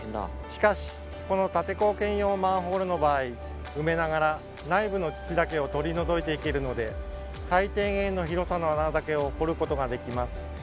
しかしこの立坑兼用マンホールの場合埋めながら内部の土だけを取り除いていけるので最低限の広さの穴だけを掘ることができます。